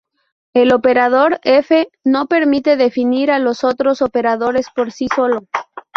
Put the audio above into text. El operador F no permite definir a los otros operadores por sí solo.